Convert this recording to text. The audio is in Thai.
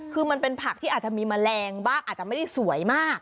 คือมันเป็นผักที่อาจจะมีแมลงบ้างอาจจะไม่ได้สวยมาก